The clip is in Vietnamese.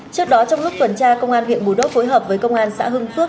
trước đó trong lúc tuần tra công an huyện bù đốt phối hợp với công an xã hưng phước